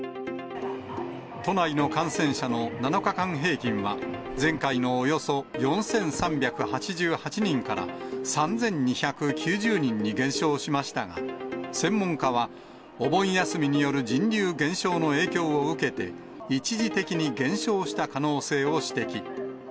都内の感染者の７日間平均は、前回のおよそ４３８８人から３２９０人に減少しましたが、専門家は、お盆休みによる人流減少の影響を受けて、一時的に減少した可能性を指摘。